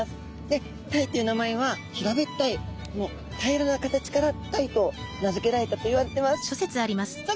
でタイという名前は平べったいこの平らな形からタイと名付けられたといわれてます。